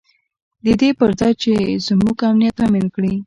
د دې پر ځای چې زموږ امنیت تامین کړي.